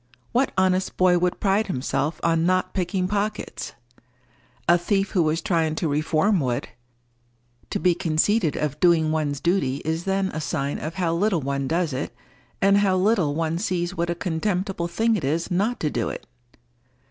What honest boy would pride himself on not picking pockets? A thief who was trying to reform would. To be conceited of doing one's duty is then a sign of how little one does it, and how little one sees what a contemptible thing it is not to do it.